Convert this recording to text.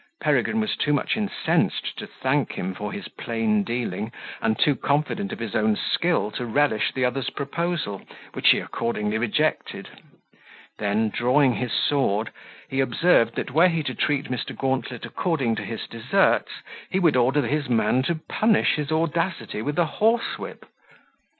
Peregrine was too much incensed to thank him for his plain dealing, and too confident of his own skill to relish the other's proposal, which he accordingly rejected: then, drawing his sword, he observed, that were he to treat Mr. Gauntlet according to his deserts, he would order his man to punish his audacity with a horsewhip.